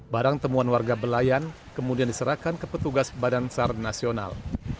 barang temuan warga belayan kemudian diserahkan ke petugas badan sar nasional